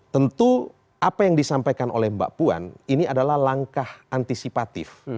tentu apa yang disampaikan oleh mbak puan ini adalah langkah antisipatif